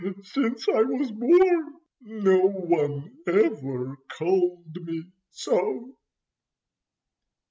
Since I was born no one ever called me so!"